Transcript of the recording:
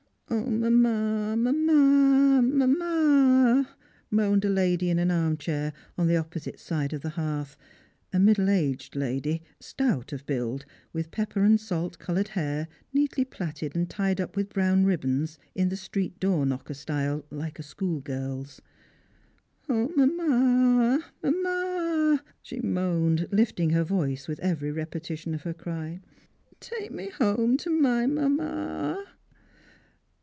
" mamma, mamma, mamma !" moaned a lady in an arm chair on the opposite side of the hearth ; a middle aged lady, stout of build, with pepper and salt coloured hair neatly plaited and tied up with brown ribbons, in the street door knocker style, like a school girl's. " 0, mamma, mamma !" she moaned, lifting her voice with every repetition of her cry; "take me home to my mamma."